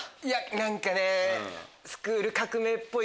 何かね。